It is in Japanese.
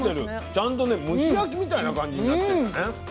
ちゃんとね蒸し焼きみたいな感じになってるんだね。